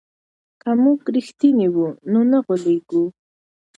که موږ رښتیني وو نو نه غولېږو.